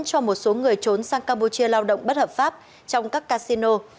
cho một số người trốn sang campuchia lao động bất hợp pháp trong các casino